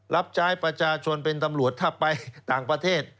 รับใช้ประชาชนเป็นตำรวจถ้าไปต่างประเทศ